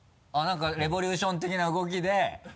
「レボ☆リューション」的な動きで。